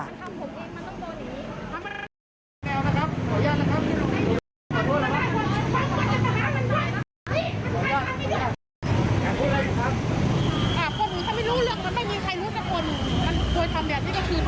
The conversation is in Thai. หรือเขาต้องให้ประหารอย่างเดียวค่ะค่ะฝากทุกคนเข้าไปทำ